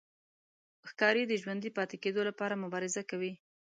ښکاري د ژوندي پاتې کېدو لپاره مبارزه کوي.